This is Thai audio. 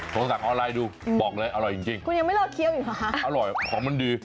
ขอสั่งออนไลน์ดูบอกเลยอร่อยจริงอร่อยของมันดี